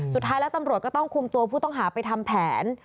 สุดท้ายแล้วตำรวจก็ต้องคุมตัวผู้ต้องหาไปทำแผน